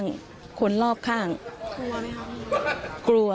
เนื่องจากนี้ไปก็คงจะต้องเข้มแข็งเป็นเสาหลักให้กับทุกคนในครอบครัว